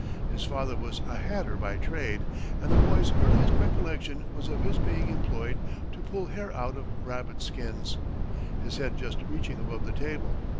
His father was a hatter by trade, and the boy's earliest recollection was of his being employed to pull hair out of rabbit skins, his head just reaching above the table.